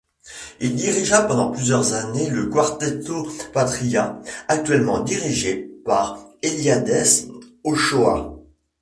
Il dirigea pendant plusieurs années le Cuarteto Patria, actuellement dirigé par Eliades Ochoa.